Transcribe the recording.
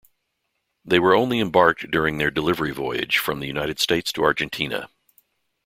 They were only embarked during their delivery voyage from the United States to Argentina.